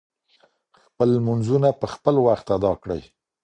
خپل لمونځونه په خپل وخت ادا کړئ.